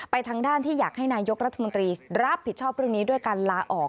ทางด้านที่อยากให้นายกรัฐมนตรีรับผิดชอบเรื่องนี้ด้วยการลาออก